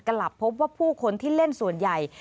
กลับพบว่าผู้คนที่เล่นส่วนใหญ่